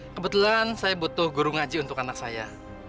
kebetulan saya butuh guru ngaji untuk anak saya